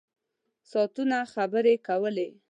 ساعتونه خبرې کولې.